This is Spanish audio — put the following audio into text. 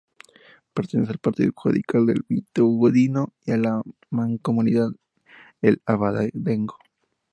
Pertenece al partido judicial de Vitigudino y a la Mancomunidad El Abadengo.